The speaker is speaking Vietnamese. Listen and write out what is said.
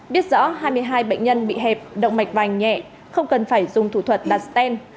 biết rõ hai mươi hai bệnh nhân bị hẹp động mạch vành nhẹ không cần phải dùng thủ thuật là sten